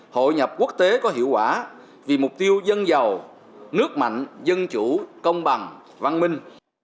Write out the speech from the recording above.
hội nhập quốc tế có hiệu quả vì mục tiêu dân giàu nước mạnh dân chủ công bằng văn minh